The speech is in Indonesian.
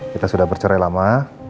kita sudah bercerai lama